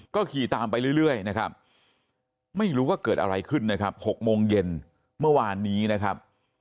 ก็ขี่ตามไปเรื่อยนะครับไม่รู้ว่าเกิดอะไรขึ้นนะครับ๖โมงเย็นเมื่อวานนี้นะครับ